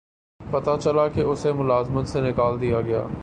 پتہ چلا کہ اسے ملازمت سے نکال دیا گیا ہے